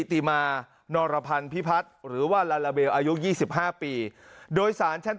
ติมานพิพัฒน์หรือว่าลาลาเบลอายุยี่สิบห้าปีโดยสารชั้น